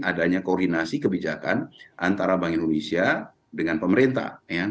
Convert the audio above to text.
adanya koordinasi kebijakan antara bank indonesia dengan pemerintah